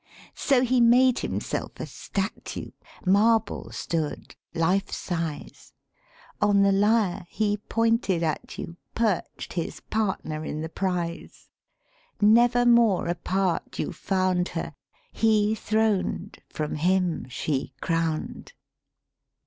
XIII So, he made himself a statue: Marble stood, life size; On the lyre, he pointed at you, Perched his partner in the prize; Never more apart you found Her, he throned, from him, she crowned.